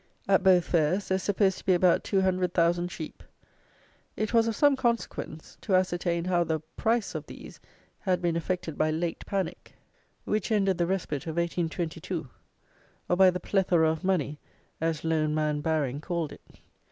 At both fairs there is supposed to be about two hundred thousand sheep. It was of some consequence to ascertain how the price of these had been affected by "late panic," which ended the "respite" of 1822; or by the "plethora of money" as loan man Baring called it.